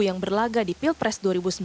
yang berlaga di pilpres dua ribu sembilan belas